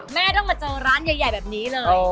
แม่ต้องมาเจอร้านใหญ่แบบนี้เลย